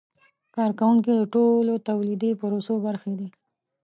کارکوونکي د ټولو تولیدي پروسو برخه دي.